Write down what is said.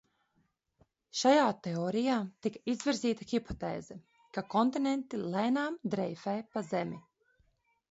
Šajā teorijā tika izvirzīta hipotēze, ka kontinenti lēnām dreifē pa Zemi.